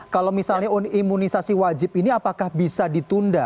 kalau misalnya imunisasi wajib ini apakah bisa ditunda